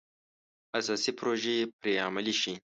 اساسي پروژې پرې عملي شي.